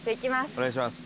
お願いします。